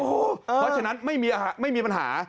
เพราะฉะนั้นไม่มีปัญหา